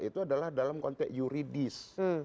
itu adalah dalam konteks yuridis